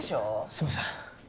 すいません。